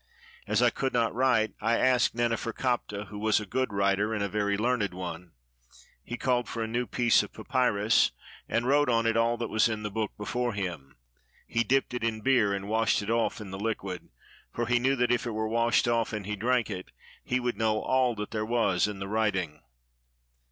As I could not write, I asked Naneferkaptah, who was a good writer and a very learned one; he called for a new piece of papyrus, and wrote on it all that was in the book before him. He dipped it in beer, and washed it off in the liquid; for he knew that if it were washed off, and he drank it, he would know all that there was in the writing.